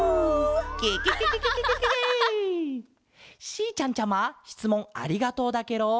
しーちゃんちゃましつもんありがとうだケロ！